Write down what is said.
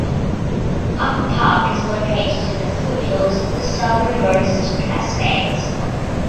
Upper Park is located in the foothills of the southernmost Cascades.